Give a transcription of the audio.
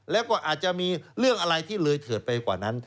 แล้วก็อาจจะมีเรื่องอะไรที่เลยเถิดไปกว่านั้น